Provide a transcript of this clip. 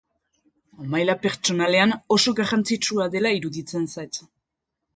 Maila pertsonalean oso garrantzitsua dela iruditzen zait.